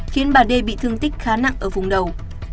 khiến bà đê bị thương tích khá nặng ở vùng đầu